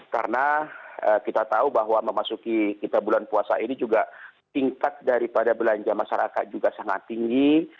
karena kita tahu bahwa memasuki kita bulan puasa ini juga tingkat daripada belanja masyarakat juga sangat tinggi